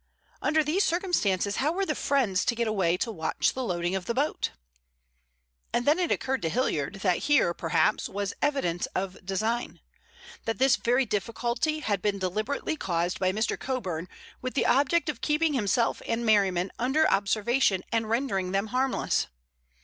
Under these circumstances how were the friends to get away to watch the loading of the boat? And then it occurred to Hilliard that here, perhaps, was evidence of design; that this very difficulty had been deliberately caused by Mr. Coburn with the object of keeping himself and Merriman under observation and rendering them harmless.